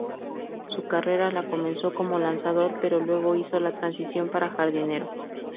Su carrera la comenzó como lanzador, pero luego hizo la transición para jardinero.